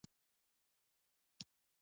افغانستان د طلا له پلوه متنوع دی.